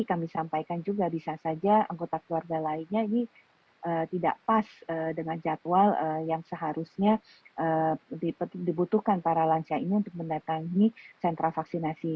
jadi kami sampaikan juga bisa saja anggota keluarga lainnya ini tidak pas dengan jadwal yang seharusnya dibutuhkan para lansia ini untuk mendatangi sentra vaksinasi